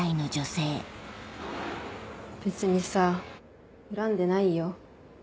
別にさ恨んでないよ。